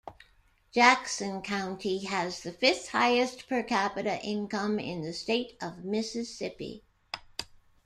Jackson County has the fifth highest per capita income in the State of Mississippi.